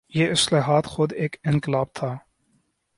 یہ اصلاحات خود ایک انقلاب تھا۔